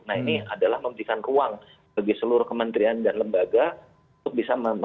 nah ini adalah membutihkan ruang bagi seluruh kementerian dan lembaga untuk bisa mempercepat eksekusi dari anggaran tersebut